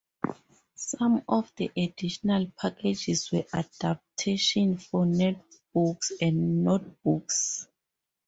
Some of the additional packages were adaptations for netbooks and notebooks.